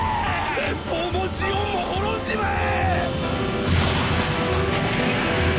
連邦もジオンも滅んじまえ！